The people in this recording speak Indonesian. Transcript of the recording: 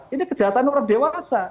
ini kejahatan orang dewasa